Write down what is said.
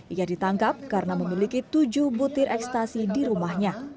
ia ditangkap karena memiliki tujuh butir ekstasi di rumahnya